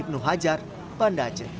nuhajar banda aceh